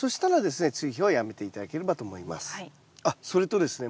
あっそれとですね